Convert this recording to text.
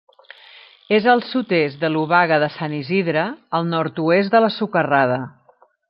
És al sud-est de l'Obaga de Sant Isidre, al nord-oest de la Socarrada.